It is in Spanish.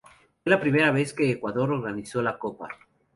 Fue la primera vez que Ecuador organizó la Copa.